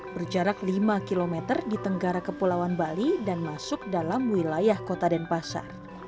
berjarak lima km di tenggara kepulauan bali dan masuk dalam wilayah kota denpasar